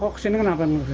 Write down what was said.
kok kesini kenapa mengungsi